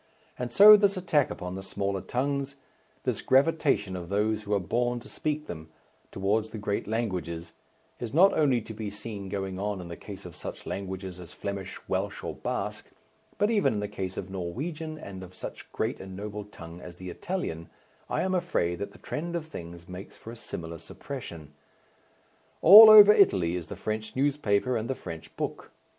And so this attack upon the smaller tongues, this gravitation of those who are born to speak them, towards the great languages, is not only to be seen going on in the case of such languages as Flemish, Welsh, or Basque, but even in the case of Norwegian and of such a great and noble tongue as the Italian, I am afraid that the trend of things makes for a similar suppression. All over Italy is the French newspaper and the French book.